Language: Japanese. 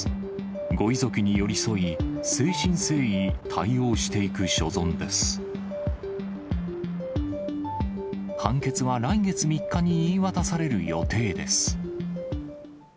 ご遺族に寄り添い、誠心誠意対応判決は来月３日に言い渡される予定です。